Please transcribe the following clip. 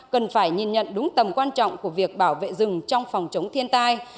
cần phải nhìn nhận đúng tầm quan trọng của việc bảo vệ rừng trong phòng chống thiên tai